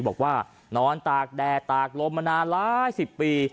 บอกว่านอนตากแดดตากลมมานานหลายสิบปี